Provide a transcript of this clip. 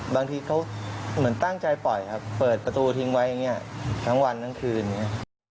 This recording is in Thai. บางทีเขาเหมือนตั้งใจปล่อยครับเปิดประตูทิ้งไว้อย่างนี้ทั้งวันทั้งคืนอย่างนี้